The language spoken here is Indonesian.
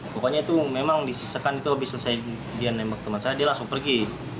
pokoknya itu memang disisekan itu habis selesai dia nembak teman saya dia langsung pergi